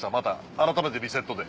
あらためてリセットで。